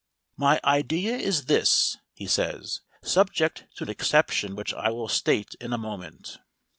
"My idea is this," he says, "subject to an exception which I will state in a moment."